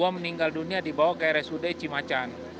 dua meninggal dunia dibawa ke rsud cimacan